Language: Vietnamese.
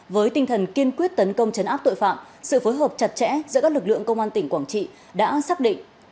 với tinh thần kiên quyết tấn công chấn áp tội phạm sự phối hợp chặt chẽ giữa các lực lượng công an tỉnh quảng trị đã xác định